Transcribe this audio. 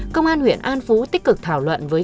công an huyện an phú tích cực thảo luận với